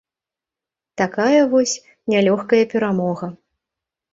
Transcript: Такая вось нялёгкая перамога.